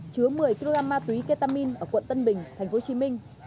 chứa một mươi kg ma túy ketamin ở quận tân bình tp hcm